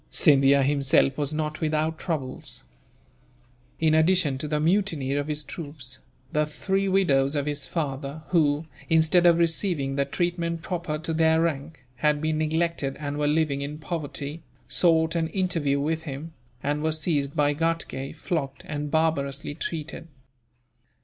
Scindia himself was not without troubles. In addition to the mutiny of his troops, the three widows of his father who, instead of receiving the treatment proper to their rank, had been neglected and were living in poverty, sought an interview with him; and were seized by Ghatgay, flogged, and barbarously treated.